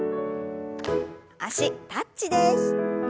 脚タッチです。